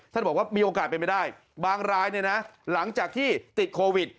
ท่านบอกว่ามีโอกาสเป็นไปได้บางรายเนี่ยนะหลังจากที่ติดโควิด